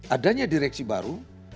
adanya direksi baru